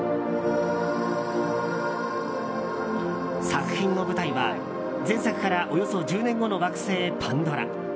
作品の舞台は、前作からおよそ１０年後の惑星パンドラ。